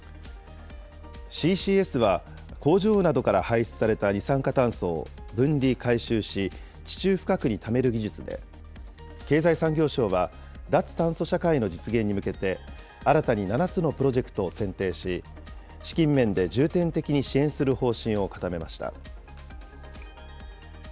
ＣＣＳは、工場などから排出された二酸化炭素を分離・回収し、地中深くにためる技術で、経済産業省は、脱炭素社会の実現に向けて新たに７つのプロジェクトを選定し、資金面で重点的に支援する方針を固めました。